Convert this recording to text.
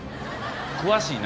詳しいな。